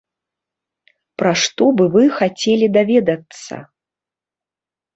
Пра што бы вы хацелі даведацца?